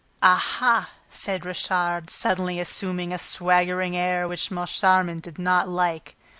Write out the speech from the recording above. "Aha!" said Richard, suddenly assuming a swaggering air which Moncharmin did not like.